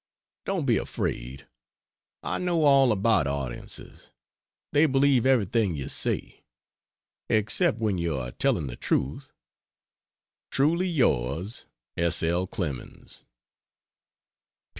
Don't be afraid; I know all about audiences, they believe everything you say, except when you are telling the truth. Truly yours, S. L. CLEMENS.